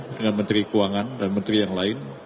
dengan menteri keuangan dan menteri yang lain